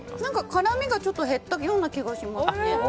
辛みがちょっと減ったような気がします。